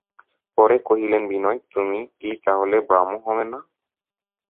পরে কহিলেন, বিনয়, তুমি তা হলে ব্রাহ্ম হবে না?